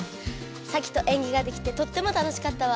サキと演技ができてとっても楽しかったわ。